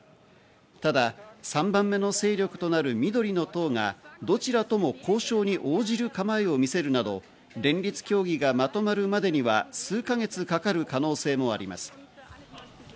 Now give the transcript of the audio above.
ただ、３番目の戦力となる緑の党がどちらとも交渉に応じる構えを見せるなど、連立協議がまとまるまでには数か月かかる可能性もあります。